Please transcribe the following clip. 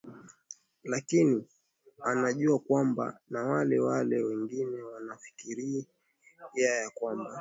lakini anajua kwamba na wale wale wengine wanafikiria ya kwamba